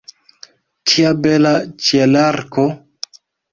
Kia bela ĉielarko!